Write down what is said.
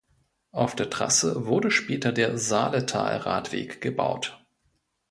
Auf der Trasse wurde später der Saaletal-Radweg gebaut.